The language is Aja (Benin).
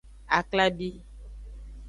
Aklabi.